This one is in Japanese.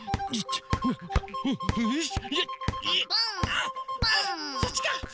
あそっちか！